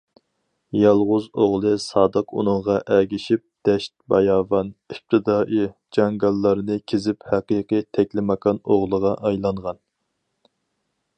يالغۇز ئوغلى سادىق ئۇنىڭغا ئەگىشىپ دەشت- باياۋان، ئىپتىدائىي جاڭگاللارنى كېزىپ ھەقىقىي تەكلىماكان ئوغلىغا ئايلانغان.